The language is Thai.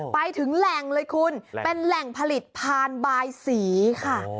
ไปถึงแหล่งเลยคุณเป็นแหล่งผลิตพานบายสีค่ะ